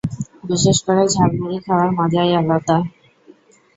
বিশেষ করে ঝালমুড়ি খাওয়ার মজাই আলাদা।